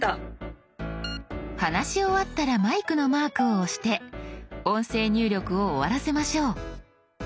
話し終わったらマイクのマークを押して音声入力を終わらせましょう。